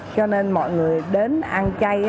cho nên mọi người đến ăn chay